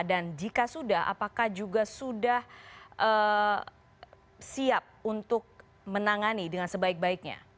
dan jika sudah apakah juga sudah siap untuk menangani dengan sebaik baiknya